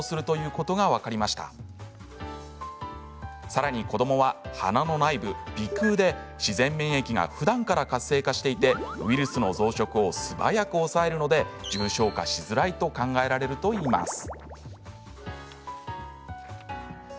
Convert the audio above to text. さらに子どもは鼻の内部、鼻くうで自然免疫がふだんから活性化していてウイルスの増殖を素早く抑えるので重症化しづらいと考えられるといいます。